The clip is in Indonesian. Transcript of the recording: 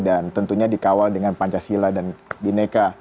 dan tentunya dikawal dengan pancasila dan bhinneka